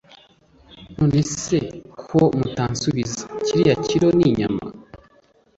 nonese ko mutansubiza kiriya kilo ni inyama?